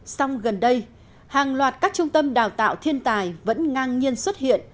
song gần đây hàng loạt các trung tâm đào tạo thiên tài vẫn ngang nhiên xuất hiện